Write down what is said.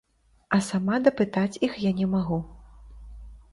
А сама дапытаць іх я не магу.